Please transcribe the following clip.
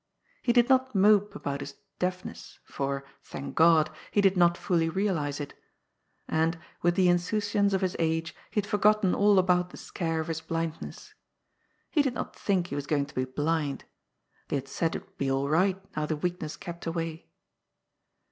He did not mope about his deafness, for, thank God ! he did not fully realize it. And, with the insouciance of his age, he had forgotten all about the scare of his blindness. He did not think he was going to be blind. They had said it would be all right now the weakness kept away.